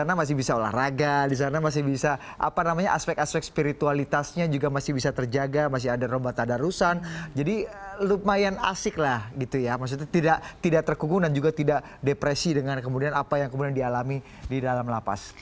asik lah gitu ya maksudnya tidak terkugung dan juga tidak depresi dengan kemudian apa yang kemudian dialami di dalam lapas